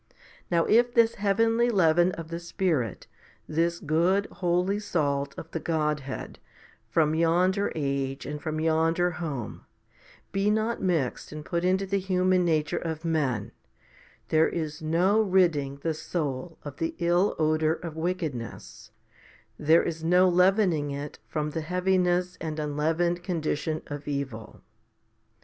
Now if this heavenly leaven of the Spirit, this good, holy salt of the Godhead, from yonder age and from yonder home, be not mixed and put into the human nature of men, there is no ridding the soul of the ill odour of wickedness, there is no leavening it from the heaviness and unleavened condition of evil.